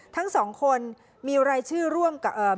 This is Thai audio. ทั้งสองคนมีรายชื่อร่วมกับเอ่อ